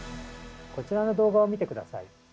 こちらの動画を見て下さい。